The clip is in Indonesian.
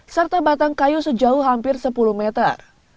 serta batang kayu sejauh hampir sepuluh meter